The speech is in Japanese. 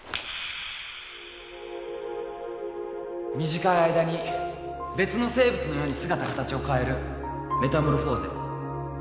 短い間に別の生物のように姿形を変えるメタモルフォーゼ。